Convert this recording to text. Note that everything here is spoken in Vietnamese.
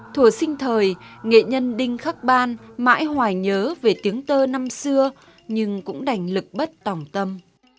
thủa sinh thời nghệ nhân đinh khắc ban mãi hoài nhớ về tiếng tơ năm xưa nhưng cũng đành lực bất tỏng tâm